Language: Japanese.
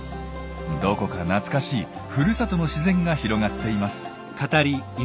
どこか懐かしいふるさとの自然が広がっています。